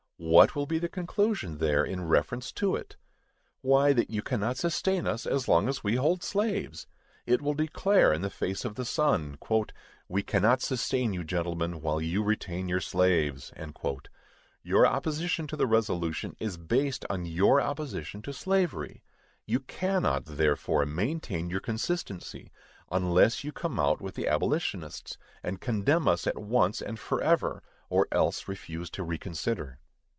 What will be the conclusion, there, in reference to it? Why, that you cannot sustain us as long as we hold slaves! It will declare, in the face of the sun, "We cannot sustain you, gentlemen, while you retain your slaves!" Your opposition to the resolution is based upon your opposition to slavery; you cannot, therefore, maintain your consistency, unless you come out with the abolitionists, and condemn us at once and forever; or else refuse to reconsider.